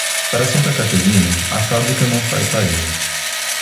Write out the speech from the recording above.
Para Santa Caterina, a fábrica não faz farinha.